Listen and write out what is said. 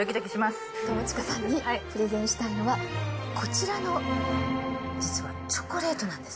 友近さんにプレゼンしたいのは、こちらの実はチョコレートなんです。